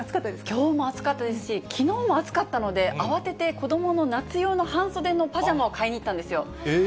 きょうも暑かったですし、きのうも暑かったですので、慌てて子どもの夏用の半袖のパジャマを買いに行ったんですよ。